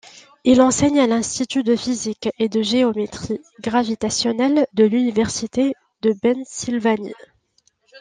Il enseigne à l'Institut de physique et de géométrie gravitationnelles de l'université de Pennsylvanie.